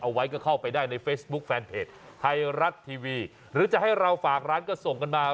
เอาไว้ก็เข้าไปได้ในเฟซบุ๊คแฟนเพจไทยรัฐทีวีหรือจะให้เราฝากร้านก็ส่งกันมา